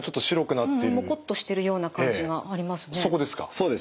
そうです。